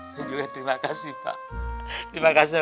saya juga terima kasih pak